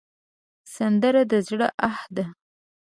سندره د زړه آه ده